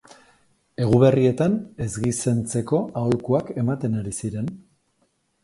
Eguberrietan ez gizentzeko aholkuak ematen ari ziren.